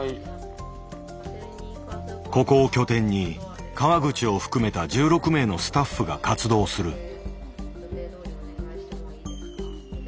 ここを拠点に川口を含めた１６名のスタッフが活動する。